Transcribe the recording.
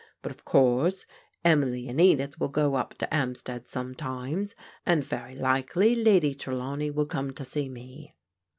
But, of course, Emily and Edith will go up to 'Ampstead some times, and very likely Lady Trelawney will come to see me.